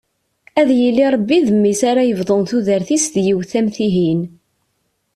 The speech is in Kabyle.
Ad yili Rebbi d mmi-s ara yebḍun tudert-is d yiwet am tihin.